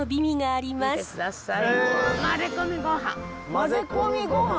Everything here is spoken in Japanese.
混ぜ込みごはん。